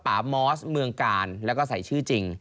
มอสเมืองกาลแล้วก็ใส่ชื่อจริง